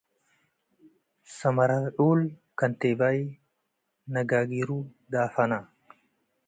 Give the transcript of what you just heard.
ሰመራልዑል ከንቴባይ - ነጋጊሩ ዳፈነ